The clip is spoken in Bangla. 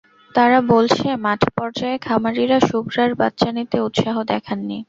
তারা বলছে, মাঠপর্যায়ে খামারিরা শুভ্রার বাচ্চা নিতে উৎসাহ দেখাননি।